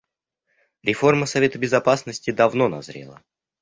Реформа Совета Безопасности давно назрела.